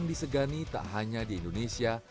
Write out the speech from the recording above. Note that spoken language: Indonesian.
salah satu petenis yang disegani tak hanya di indonesia